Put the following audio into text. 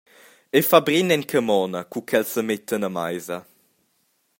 Ei fa brin en camona, cura ch’els semettan a meisa.